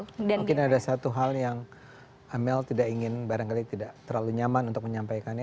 mungkin ada satu hal yang amel tidak ingin barangkali tidak terlalu nyaman untuk menyampaikannya